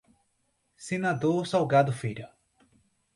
Senador Salgado Filho